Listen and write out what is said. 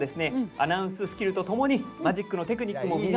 アナウンススキルともにマジックのテクニックも磨いて。